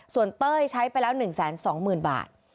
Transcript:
ส่วนเต้ยใช้ไปแล้ว๑๒๐๐๐บาท